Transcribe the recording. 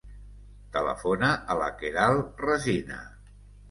Telefona a la Queralt Resina.